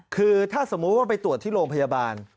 คือถ้าสมมุติว่าไปตรวจที่โรงพยาบาล